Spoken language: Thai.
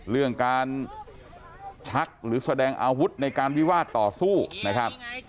เรื่องการชักหรือแสดงอาวุธในการวิวาสต่อสู้นะครับ